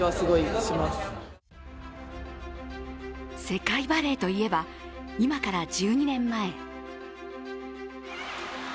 世界バレーといえば、今から１２年前。